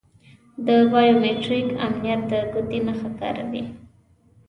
د بایو میتریک امنیت د ګوتې نښه کاروي.